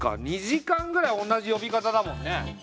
２時間ぐらい同じ呼び方だもんね。